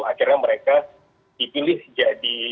akhirnya mereka dipilih jadi